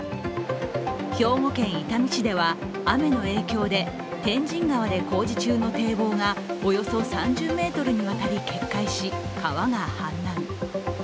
兵庫県伊丹市では雨の影響で、天神川で工事中の堤防がおよそ３０ｍにわたり決壊し川が氾濫。